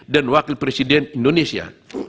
dan wakil presiden indonesia